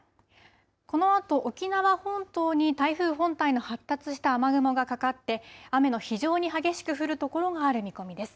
このあと沖縄本島に台風本体の発達した雨雲がかかって、雨の非常に激しく降る所がある見込みです。